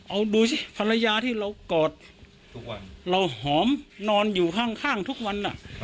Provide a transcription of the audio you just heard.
เอาดูซิภรรยาที่เรากอดเราหอมนอนอยู่ข้างทุกวัน